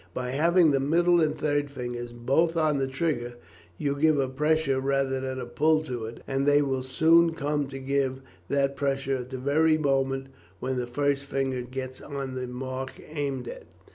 By having the middle and third fingers both on the trigger, you give a pressure rather than a pull to it, and they will soon come to give that pressure at the very moment when the first finger gets on the mark aimed at.